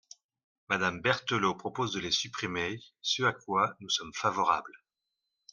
Madame Berthelot propose de les supprimer, ce à quoi nous sommes favorables.